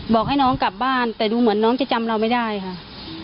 บอกให้น้องกลับบ้านแต่ดูเหมือนน้องจะจำเราไม่ได้ค่ะ